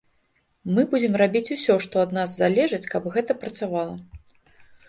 Мы будзем рабіць усё, што ад нас залежыць, каб гэта працавала.